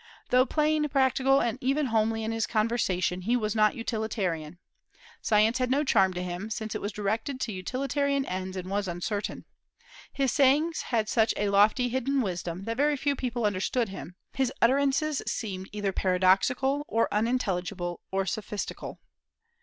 Though plain, practical, and even homely in his conversation, he was not utilitarian. Science had no charm to him, since it was directed to utilitarian ends and was uncertain. His sayings had such a lofty, hidden wisdom that very few people understood him: his utterances seemed either paradoxical, or unintelligible, or sophistical.